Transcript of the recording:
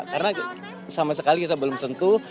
karena sama sekali kita belum sentuh